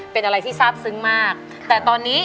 เป็นอะไรที่ทราบซึ้งมากแต่ตอนนี้